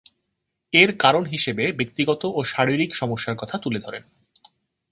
এর কারণ হিসেবে ব্যক্তিগত ও শারীরিক সমস্যার কথা তুলে ধরেন।